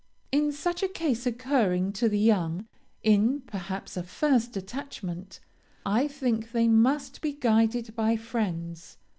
"In such a case occurring to the young, in, perhaps, a first attachment, I think they must be guided by friends.